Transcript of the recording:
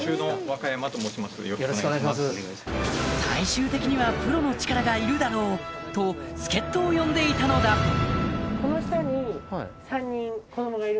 最終的にはプロの力がいるだろうと助っ人を呼んでいたのだあら！